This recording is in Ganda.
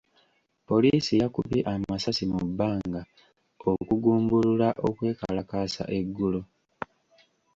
Poliisi yakubye amasasi mu bbanga okugumbulula okwekalakaasa eggulo.